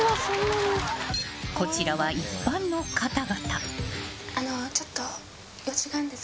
こちらは一般の方々。